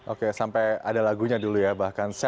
oke sampai ada lagunya dulu ya bahkan